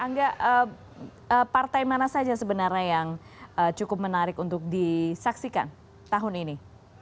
angga partai mana saja sebenarnya yang cukup menarik untuk disaksikan tahun ini